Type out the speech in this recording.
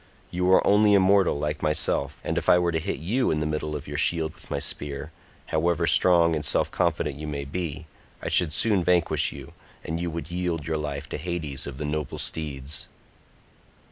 You are only a mortal like myself, and if I were to hit you in the middle of your shield with my spear, however strong and self confident you may be, I should soon vanquish you, and you would yield your life to Hades of the noble steeds."